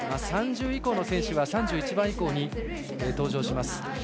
３０位以降の選手は３１番以降に登場します。